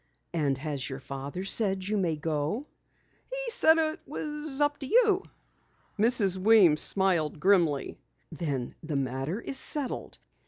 "And has your father said you may go?" "He said it was up to you." Mrs. Weems smiled grimly. "Then the matter is settled.